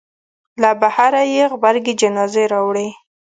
له بهره یې غبرګې جنازې راوړې.